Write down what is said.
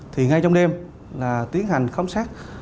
thì ngay trong đêm là tiến hành khám xét